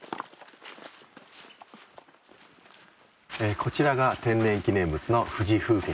こちらが天然記念物の富士風穴です。